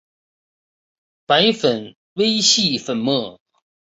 白色微细粉末。